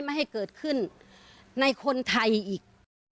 ไม่ให้เกิดขึ้นในคนไทยอีก